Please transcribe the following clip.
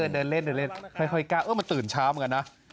เดี๋ยวเล่นค่อยกล้าเออมาตื่นเช้าเหมือนกันนะ